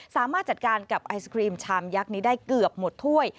สามารถจัดการกับไอศครีมชามยักษ์นี้ได้เกือบหมดถ้วย